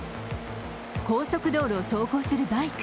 高速道路を走行するバイク。